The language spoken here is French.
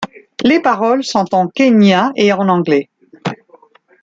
Les paroles sont en quenya et en anglais.